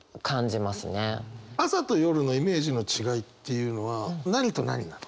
朝と夜のイメージの違いっていうのは何と何なの？